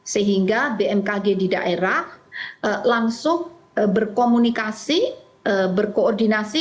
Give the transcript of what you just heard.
sehingga bmkg di daerah langsung berkomunikasi berkoordinasi